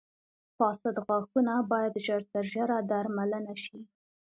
• فاسد غاښونه باید ژر تر ژره درملنه شي.